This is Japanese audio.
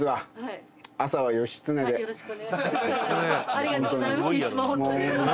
よろしくお願いします。